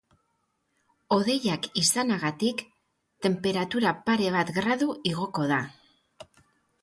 Hodeiak izanagatik, tenperatura pare bat gradu igoko da.